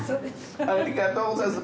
ありがとうございます。